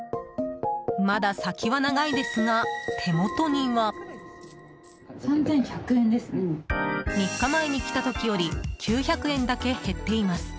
まだ先は長いですが、手元には。３日前に来た時より９００円だけ減っています。